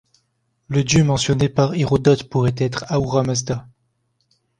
Le dieu mentionné par Hérodote pourrait être Ahuramazda.